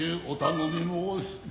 お頼み申す。